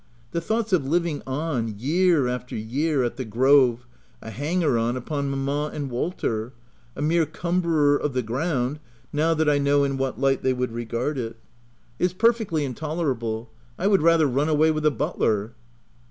The thoughts of living on, year after year at the Grove — a hanger on upon mamma and Walter — a mere cumberer of the ground, (now that I know in what light they would regard it,) 84 THE TENANT is perfectly intolerable— I would rather run away with the butler."